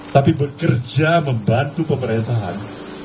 tapi bekerja membantu pemerintahan